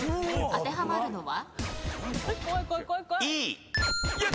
当てはまるのは？